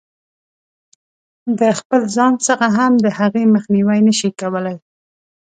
د خپل ځان څخه هم د هغې مخنیوی نه شي کولای.